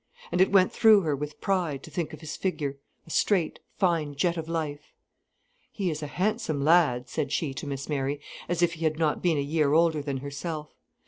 And it went through her with pride, to think of his figure, a straight, fine jet of life. "He is a handsome lad," said she to Miss Mary, as if he had not been a year older than herself.